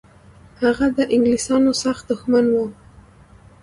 هغه د انګلیسانو سخت دښمن و.